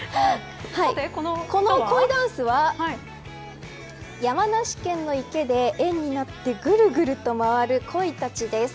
このコイダンスは山梨県の池で円になってぐるぐると回るコイたちです。